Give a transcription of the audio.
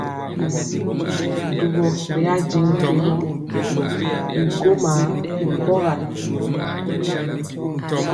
Dubɔ ri ajeŋ mpiemɔ y ŋgɔma mpɔga.